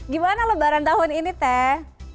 gimana lebaran tahun ini teh